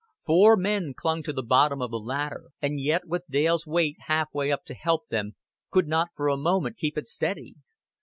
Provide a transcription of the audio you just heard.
Four men clung to the bottom of the ladder, and yet, with Dale's weight half way up to help them, could not for a moment keep it steady.